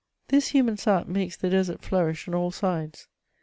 This hnman sap makes the desert flourish on all sides.